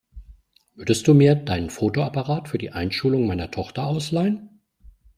Würdest du mir deinen Fotoapparat für die Einschulung meiner Tochter ausleihen?